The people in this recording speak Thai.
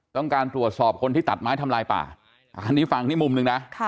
ต้องการตรวจสอบคนที่ตัดไม้ทำลายป่าอันนี้ฟังนี่มุมหนึ่งนะ